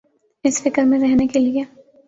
اس فکر میں رہنے کیلئے۔